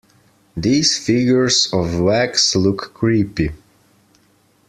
These figures of wax look creepy.